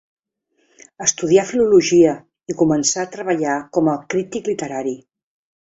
Estudià filologia i començà a treballar com a crític literari.